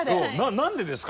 何でですか？